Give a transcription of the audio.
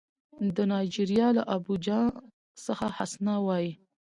د نایجیریا له ابوجا څخه حسنه وايي